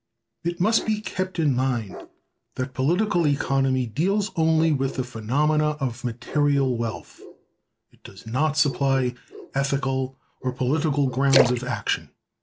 It must be kept in mind that Political Economy deals only with the phenomena of material wealth; it does not supply ethical or political grounds of action.